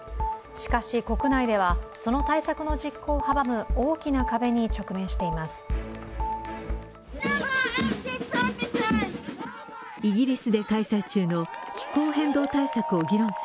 しかし、国内ではその対策の実行を阻む大きな壁に直面しています。